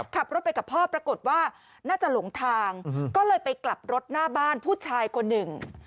ขับรถไปกับพ่อปรากฏว่าน่าจะหลงทางก็เลยไปกลับรถหน้าบ้านผู้ชายคนหนึ่ง